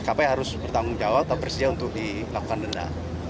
maskapai harus bertanggung jawab dan bersedia untuk dilakukan denda